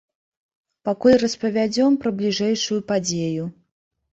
Пакуль распавядзем пра бліжэйшую падзею.